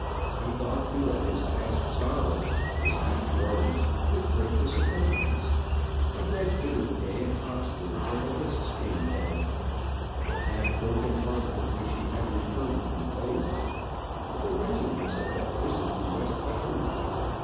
He thought too of his past sorrows, his deep woes, his great disappointments; of that bitter day at Oxford when the lists came down; of the half broken heart with which he had returned from Bowes; of the wretchedness of that visit to West Putford.